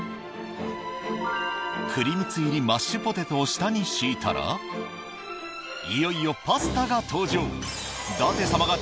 栗みつ入りマッシュポテトを下に敷いたらいよいよパスタが登場